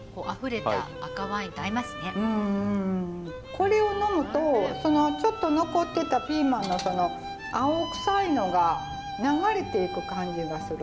これを呑むとちょっと残ってたピーマンの青臭いのが流れていく感じがする。